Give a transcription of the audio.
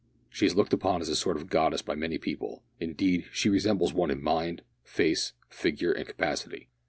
She is looked upon as a sort of goddess by many people; indeed she resembles one in mind, face, figure, and capacity.